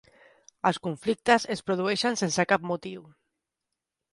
Els conflictes es produeixen sense cap motiu.